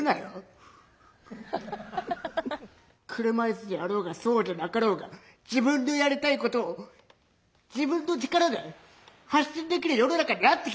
「車いすであろうがそうじゃなかろうが自分のやりたいことを自分の力で発信できる世の中になってきた。